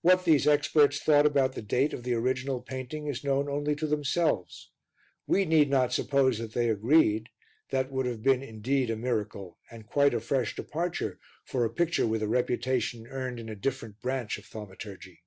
What these experts thought about the date of the original painting is known only to themselves. We need not suppose that they agreed that would have been indeed a miracle and quite a fresh departure for a picture with a reputation earned in a different branch of thaumaturgy.